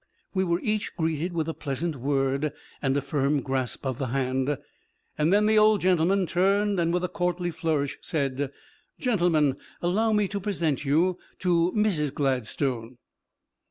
We were each greeted with a pleasant word and a firm grasp of the hand, and then the old gentleman turned and with a courtly flourish said, "Gentlemen, allow me to present you to Mrs. Gladstone."